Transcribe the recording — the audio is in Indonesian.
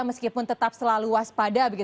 meskipun tetap selalu waspada